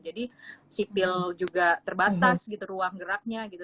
jadi sipil juga terbatas gitu ruang geraknya gitu